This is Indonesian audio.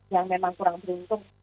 yang memang kurang beruntung